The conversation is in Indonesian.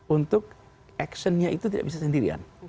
untuk action nya itu tidak bisa sendirian